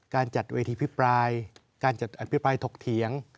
จัดเวทีพิปรายการจัดอภิปรายถกเถียง